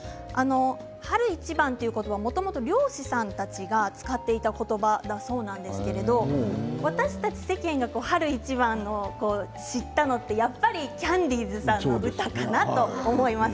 春一番という言葉は、もともと漁師さんたちが使っていた言葉だそうですが私たち世間が春一番を知ったのって、やっぱりキャンディーズさんの歌かなと思います。